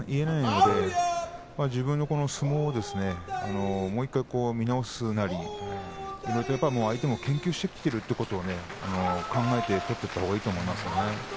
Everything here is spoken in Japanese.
自分の相撲をもう一度見直すなり相手も研究してきているということを考えて取っていったほうがいいと思います。